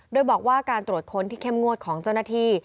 โดยบอกว่าการตรวจค้นที่เข้มงวดของเจ้าหน้าที่